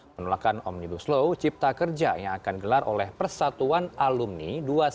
penolakan omnibus law cipta kerja yang akan digelar oleh persatuan alumni dua ratus dua belas